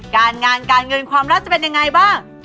การงานการเงินความรักจะเป็นยังไงบ้าง